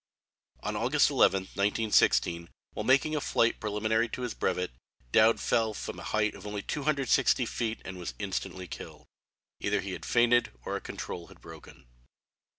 On August 11, 1916, while making a flight preliminary to his brevet, Dowd fell from a height of only 260 feet and was instantly killed. Either he had fainted or a control had broken.